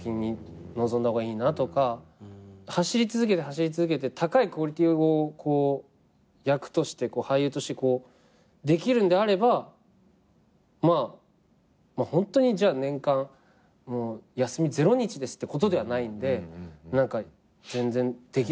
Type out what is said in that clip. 走り続けて走り続けて高いクオリティーを役として俳優としてできるんであればまあホントにじゃあ年間休みゼロ日ですってことではないんで全然できるのかなっていう。